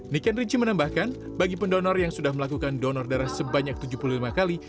niken richi menambahkan bagi pendonor yang sudah melakukan donor darah sebanyak tujuh puluh lima kali